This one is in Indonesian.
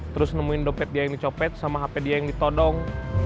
terus nemuin dompet dia yang dicopet sama hp dia yang ditodong